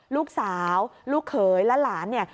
ลูกสาวลูกเขยและหลาน